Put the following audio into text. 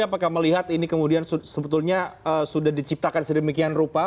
apakah melihat ini kemudian sebetulnya sudah diciptakan sedemikian rupa